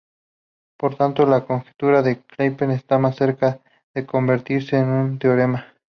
Por tanto, la conjetura de Kepler está más cerca de convertirse en un teorema.